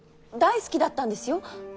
大好きだったんですよ。